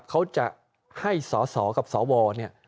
เขาจะให้สสกับสวเนี่ย